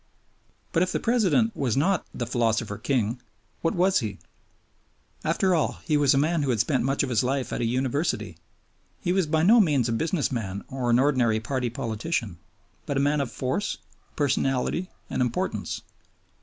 But if the President was not the philosopher king, what was he? After all he was a man who had spent much of his life at a University. He was by no means a business man or an ordinary party politician, but a man of force, personality, and importance.